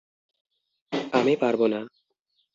আমি পারব না!